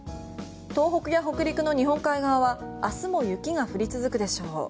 東北や北陸の日本海側は明日も雪が降り続くでしょう。